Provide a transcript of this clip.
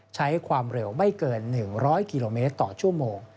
ใช้ความเร็วไม่เกิน๑๐๐กิโลเมตรต่อชั่วโมง